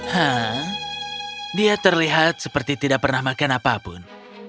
hah dia terlihat seperti tidak pernah makan apapun